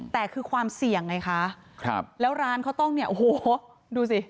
แต่คือความเสี่ยงไงคะครับแล้วร้านเขาต้องเนี่ยโอ้โหดูสิ